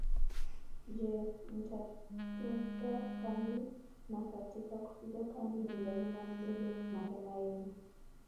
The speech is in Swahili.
Je mtapiga kambi na katika kupiga kambi ni lazima mbebe mahema yenu